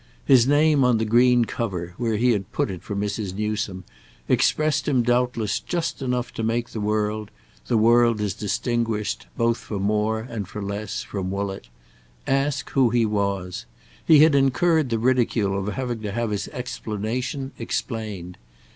His name on the green cover, where he had put it for Mrs. Newsome, expressed him doubtless just enough to make the world—the world as distinguished, both for more and for less, from Woollett—ask who he was. He had incurred the ridicule of having to have his explanation explained.